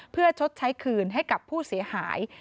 เพื่อชดใช้คืนให้กับผู้เสียหาย